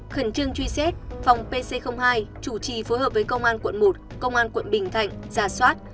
khẩn trương truy xét phòng pc hai chủ trì phối hợp với công an quận một công an quận bình thạnh giả soát